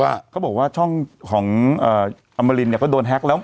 ว่าเขาบอกว่าช่องของเอ่ออัมมารินเนี้ยก็โดนแฮกแล้ว